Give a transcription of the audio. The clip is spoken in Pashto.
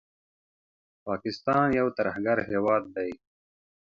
پاکستان یو ترهګر هیواد دي